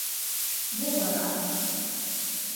— Мо вара?